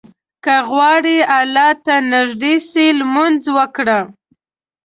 که غواړې الله ته نيږدى سې، لمونځ وکړه.